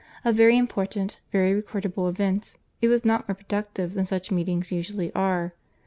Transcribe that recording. Of very important, very recordable events, it was not more productive than such meetings usually are.